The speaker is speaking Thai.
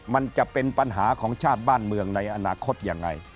มันจะเป็นปัญหาของชาติบ้านเมืองในอนาคตยังไง